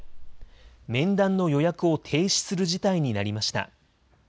面談の予約を停止する事態になりました。